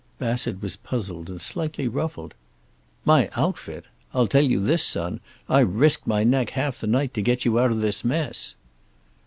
Bassett was puzzled and slightly ruffled. "My outfit! I'll tell you this, son, I've risked my neck half the night to get you out of this mess."